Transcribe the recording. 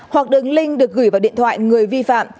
hoặc đường link được gửi vào điện thoại người vi phạm